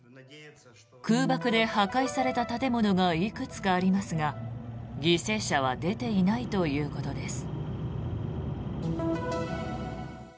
空爆で破壊された建物がいくつかありますが犠牲者は出ていないということです。